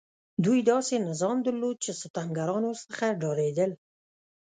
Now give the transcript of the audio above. دوی داسې نظام درلود چې ستمګران ورڅخه ډارېدل.